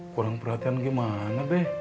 kurang perhatian gimana deh